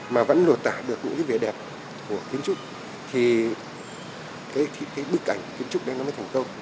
mà vẫn nộp tả được những vẻ đẹp của kiến trúc thì cái bức ảnh kiến trúc này nó mới thành công